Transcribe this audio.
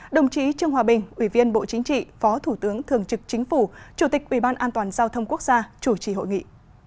đồng chí trương hòa bình ủy viên bộ chính trị phó thủ tướng thường trực chính phủ chủ tịch ủy ban an toàn giao thông quốc gia chủ trì hội nghị